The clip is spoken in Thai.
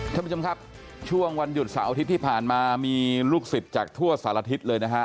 ท่านผู้ชมครับช่วงวันหยุดเสาร์อาทิตย์ที่ผ่านมามีลูกศิษย์จากทั่วสารทิศเลยนะฮะ